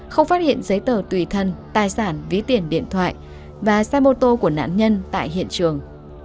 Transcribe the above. không phát hiện giấy tờ tùy thân tài sản ví tiền điện thoại và xe mô tô của nạn nhân tại hiện trường